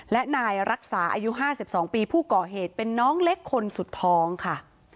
และนายรักษาอายุ๕๒ปีผู้ก่อเหตุเป็นน้องเล็กคนสุดท้องค่ะ